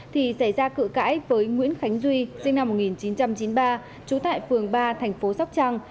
thì xảy ra cự cãi với nguyễn khánh duy sinh năm một nghìn chín trăm chín mươi ba trú tại phường ba thành phố sóc trăng